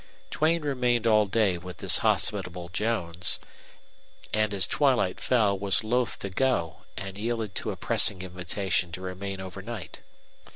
Duane remained all day with this hospitable Jones, and as twilight fell was loath to go and yielded to a pressing invitation to remain overnight.